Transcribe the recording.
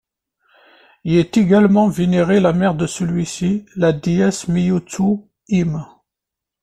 Y est également vénérée la mère de celui-ci, la déesse Mihotsu-hime.